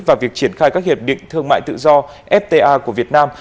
và việc triển khai các hiệp định thương mại tự do fta của việt nam